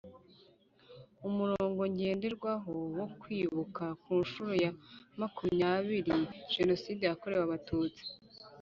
Umurongo ngenderwaho wo Kwibuka ku nshuro ya makumyabiri Jenoside yakorewe abatutsi